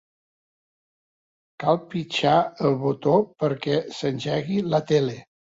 Cal pitjar el botó perquè s'engegui la tele.